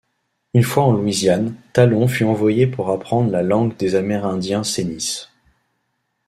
Une fois en Louisiane, Talon fut envoyé pour apprendre la langue des amérindiens Cenis.